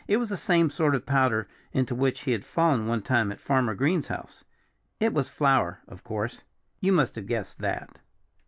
It was the same sort of powder into which he had fallen one time at Farmer Green's house. It was flour, of course you must have guessed that.